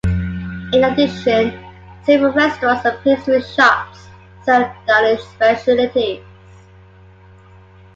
In addition, several restaurants and pastry shops serve Danish specialities.